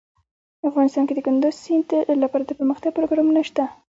افغانستان کې د کندز سیند لپاره دپرمختیا پروګرامونه شته.